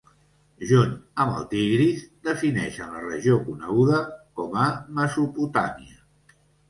Junt amb el Tigris, defineixen la regió coneguda com a Mesopotàmia.